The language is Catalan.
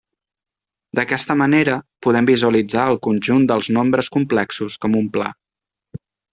D'aquesta manera podem visualitzar el conjunt dels nombres complexos com un pla.